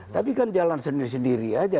tapi kan jalan sendiri sendiri aja